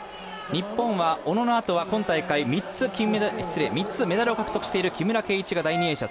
日本は小野のあとは今大会３つ、メダルを獲得している木村敬一が第２泳者。